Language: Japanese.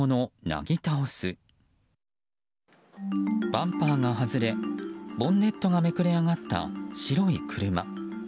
バンパーが外れ、ボンネットがめくれ上がった白い車。